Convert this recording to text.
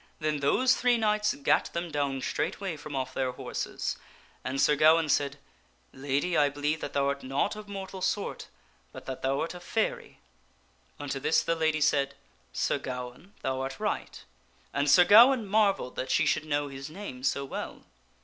Then those three knights gat them down straightway from off their horses, and Sir Gawaine said, " Lady, I believe that thou art not of mortal sort, but that thou art of faerie." Unto this the lady said, " Sir Gawaine, thou art right," and Sir Gawaine marvelled that she should know his name so well.